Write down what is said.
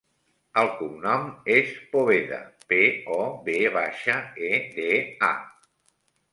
El cognom és Poveda: pe, o, ve baixa, e, de, a.